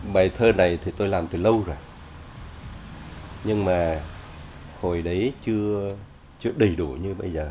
bài thơ này thì tôi làm từ lâu rồi nhưng mà hồi đấy chưa đầy đủ như bây giờ